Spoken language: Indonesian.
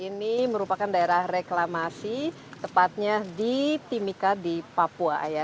ini merupakan daerah reklamasi tengah timun di timika di papua ya